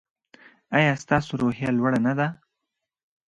ایا ستاسو روحیه لوړه نه ده؟